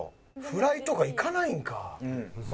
「フライとかいかないんか？」